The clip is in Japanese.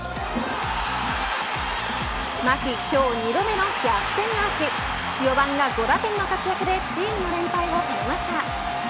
牧、今日２度目の逆転アーチ４番が５打点の活躍でチームの連敗を止めました。